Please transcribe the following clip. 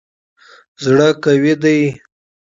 زړه قوي دی.